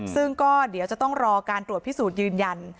ซึ่งก็เดี๋ยวจะต้องรอการตรวจพิสูจน์ยืนยัน